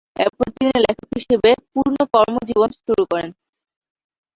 এরপর তিনি লেখক হিসেবে পূর্ণ কর্মজীবন শুরু করেন।